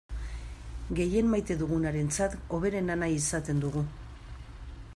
Gehien maite dugunarentzat hoberena nahi izaten dugu.